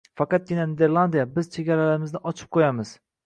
Faqatgina Niderlandiya «biz chegaralarimizni ochib qo‘yamiz